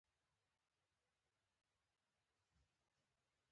انار د افغانستان د ځمکې د جوړښت یوه ښکاره نښه ده.